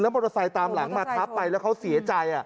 มอเตอร์ไซค์ตามหลังมาทับไปแล้วเขาเสียใจ